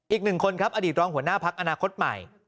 อีกหนึ่งคนครับอดีตรองหัวหน้าพักอนาคตใหม่